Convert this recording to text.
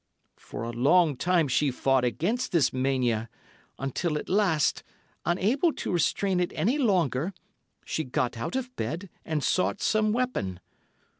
For a long time she fought against this mania, until at last, unable to restrain it any longer, she got out of bed and sought some weapon.